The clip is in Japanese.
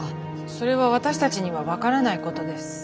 それは私たちには分からないことです。